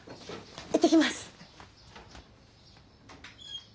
行ってきます。